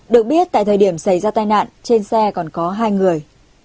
được biết tại thời điểm xảy ra tai nạn trên xe còn có hai người